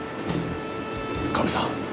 カメさん